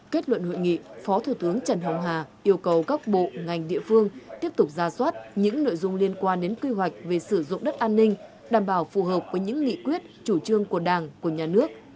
kết luận hội nghị phó thủ tướng trần hồng hà yêu cầu các bộ ngành địa phương tiếp tục ra soát những nội dung liên quan đến quy hoạch về sử dụng đất an ninh đảm bảo phù hợp với những nghị quyết chủ trương của đảng của nhà nước